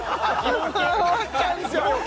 これ終わっちゃうんですよ